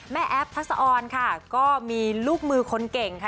แม่แอฟพระสอร์นค่ะก็มีลูกมือคนเก่งค่ะ